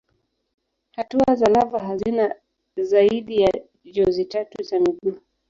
Hatua za lava hazina zaidi ya jozi tatu za miguu.